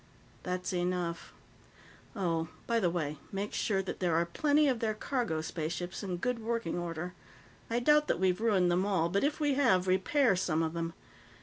"That's enough. Oh, by the way, make sure that there are plenty of their cargo spaceships in good working order; I doubt that we've ruined them all, but if we have, repair some of them.